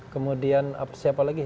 kemudian siapa lagi